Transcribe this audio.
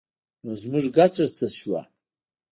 نو زموږ ګټه څه شوه؟